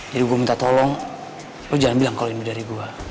jadi gue minta tolong lo jangan bilang kalau ini dari gue